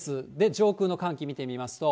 上空の寒気、見てみますと。